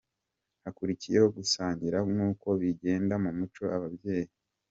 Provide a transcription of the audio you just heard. Hakurikiyeho gusangira nkuko bigenda mu muco, ababyeyi .